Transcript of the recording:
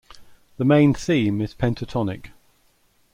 The main theme is pentatonic.